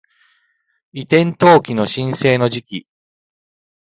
移転登記の申請の時期